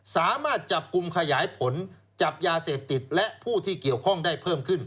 สามารถจับกลุ่มขยายผลจับยาเสพติดและผู้ที่เกี่ยวข้องได้เพิ่มขึ้น